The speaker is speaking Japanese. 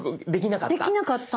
できなかった。